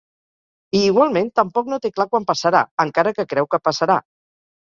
I igualment, tampoc no té clar quan passarà, encara que creu que passarà.